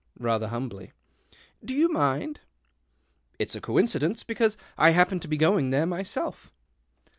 Rather humbly, " Do you nind ?"" It's a coincidence, because I happen to be yoing there myself."